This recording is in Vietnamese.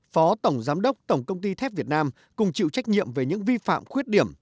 phó tổng giám đốc tổng công ty thép việt nam cùng chịu trách nhiệm về những vi phạm khuyết điểm